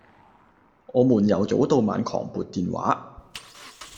我們由早到晚狂撥電話